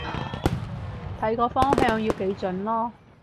睇個方向要幾準囉